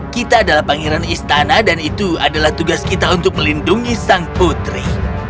kita adalah pangeran istana dan itu adalah tugas kita untuk melindungi sang putri